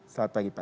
selamat pagi pak